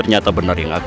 jangan salahkan aku